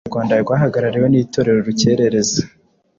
U Rwanda rwahagarariwe n’itorero Urukerereza.